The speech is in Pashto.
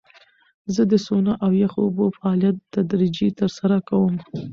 زه د سونا او یخو اوبو فعالیت تدریجي ترسره کوم.